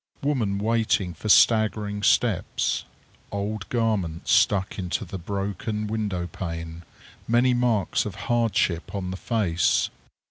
Woman waiting for staggering steps. Old garments stuck into the broken window pane. Many marks of hardship on the face.